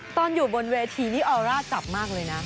ตอนอยู่บนเวทีนี่ออร่าจับมากเลยนะ